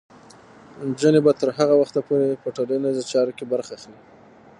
نجونې به تر هغه وخته پورې په ټولنیزو چارو کې برخه اخلي.